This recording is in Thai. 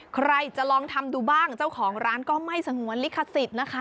ใครจะลองทำดูบ้างเจ้าของร้านก็ไม่สงวนลิขสิทธิ์นะคะ